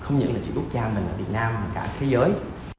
không những là chỉ quốc gia mình ở việt nam mà cả thế giới